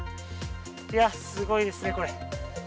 いやすごいですね、これ。